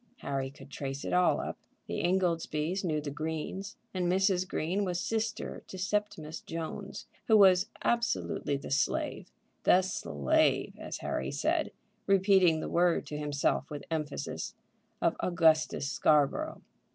Harry could trace it all up. The Ingoldsbys knew the Greens, and Mrs. Green was Sister to Septimus Jones, who was absolutely the slave, the slave, as Harry said, repeating the word to himself with emphasis, of Augustus Scarborough.